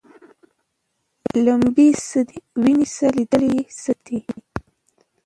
لمبې څه دي ویني څه لیدل یې څه دي